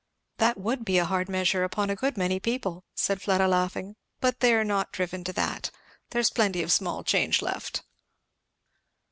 "That would be a hard measure upon a good many people," said Fleda laughing. "But they're not driven to that. There's plenty of small change left."